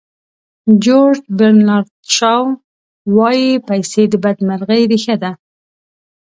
جیورج برنارد شاو وایي پیسې د بدمرغۍ ریښه ده.